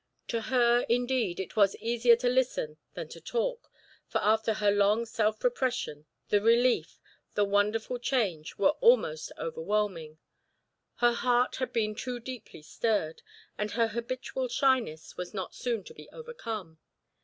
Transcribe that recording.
To her, indeed, it was easier to listen than to talk, for after her long self repression, the relief, the wonderful change, were almost overwhelming; her heart had been too deeply stirred, and her habitual shyness was not soon to be overcome.